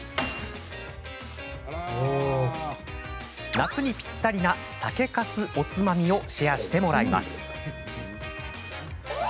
夏にぴったりな酒かすおつまみをシェアしてもらいます。